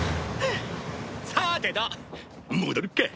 さーてと戻るか！